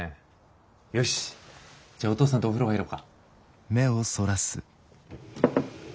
よしじゃあお父さんとお風呂入ろうか。